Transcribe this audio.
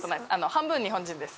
半分日本人です